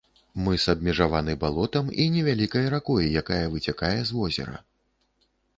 Мыс абмежаваны балотам і невялікай ракой, якая выцякае з возера.